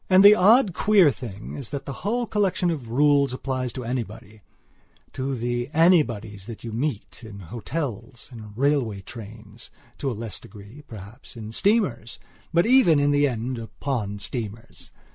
And the odd, queer thing is that the whole collection of rules applies to anybodyto the anybodies that you meet in hotels, in railway trains, to a less degree, perhaps, in steamers, but even, in the end, upon steamers.